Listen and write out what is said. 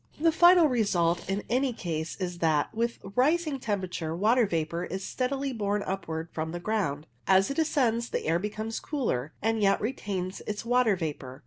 The final result in any case is that, with rising temperature, water vapour is steadily borne upwards from the ground. As it ascends the air becomes cooler, and yet retains its water vapour.